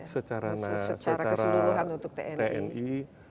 secara keseluruhan untuk tni